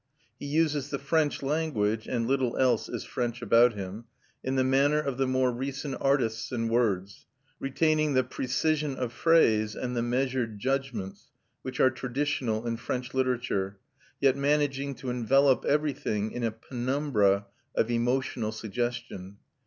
He uses the French language (and little else is French about him) in the manner of the more recent artists in words, retaining the precision of phrase and the measured judgments which are traditional in French literature, yet managing to envelop everything in a penumbra of emotional suggestion.